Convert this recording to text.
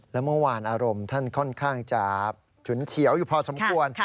แล้วเมื่อวานอารมณ์ท่านค่อนข้างจะฉุนเฉียวอยู่พอสมควร